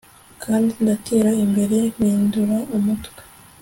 Kandi ndatera imbere mpindura umutwe